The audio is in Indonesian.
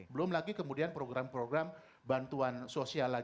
belum lagi kemudian program program bantuan sosial